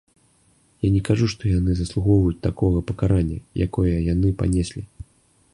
Я не кажу, што яны заслугоўваюць такога пакарання, якое яны панеслі.